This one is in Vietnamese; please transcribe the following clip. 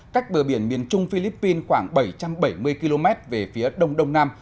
cách bờ biển miền trung philippines khoảng bảy trăm bảy mươi km về phía đông đông nam